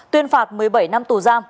tuyên phạt một mươi bảy năm tù giam